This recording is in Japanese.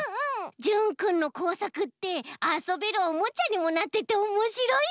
じゅんくんのこうさくってあそべるおもちゃにもなってておもしろいなあ！